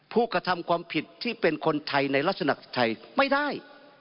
ผู้กระทำความผิดที่เป็นคนไทยในลักษณะไทยไม่ได้